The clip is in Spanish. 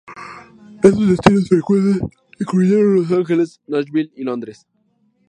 Estos destinos frecuentes incluyeron Los Ángeles, Nashville y Londres.